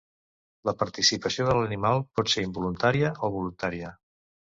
La participació de l'animal pot ser involuntària o voluntària.